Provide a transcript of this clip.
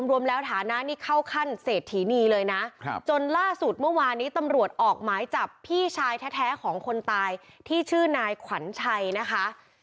รวมแล้วฐานะนี่เข้าขั้นเศรษฐีนีเลยนะจนล่าสุดเมื่อวานนี้ตำรวจออกหมายจับพี่ชายแท้ของคนตายที่ชื่อนายขวัญชัยนะคะ